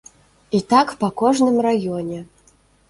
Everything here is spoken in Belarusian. І так па кожным раёне.